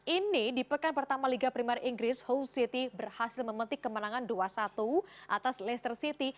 ini di pekan pertama liga primer inggris house city berhasil memetik kemenangan dua satu atas leicester city